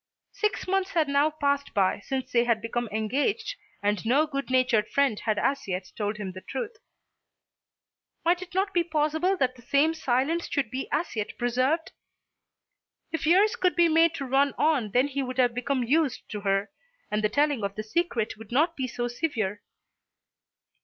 Six months had now passed by since they had become engaged and no good natured friend had as yet told him the truth. Might it not be possible that the same silence should be as yet preserved? If years could be made to run on then he would have become used to her, and the telling of the secret would not be so severe.